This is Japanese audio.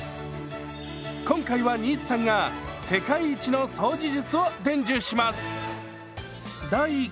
今回は新津さんが世界一の掃除術を伝授します！